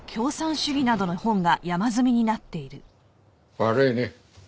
悪いね。